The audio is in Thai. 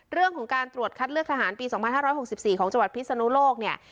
เรื่องของการตรวจคัดเลือกทหารปี๒๕๖๔ของจังหวัดพิศนุโลกเนี่ย